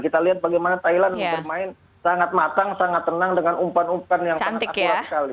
kita lihat bagaimana thailand bermain sangat matang sangat tenang dengan umpan umpan yang sangat akurat sekali